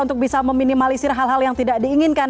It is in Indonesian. untuk bisa meminimalisir hal hal yang tidak diinginkan